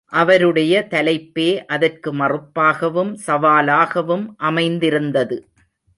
அவருடைய தலைப்பே அதற்கு மறுப்பாகவும் சவாலாகவும் அமைந்திருத்தது.